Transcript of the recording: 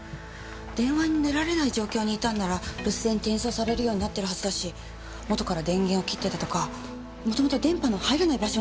電話に出られない状況にいたんなら留守電に転送されるようになってるはずだし元から電源を切ってたとか元々電波の入らない場所にいたんなら。